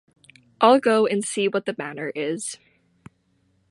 I'll go and see what the matter is.